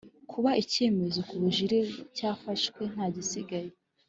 Kuba icyemezo ku bujurire cyafashwe ntagisigaye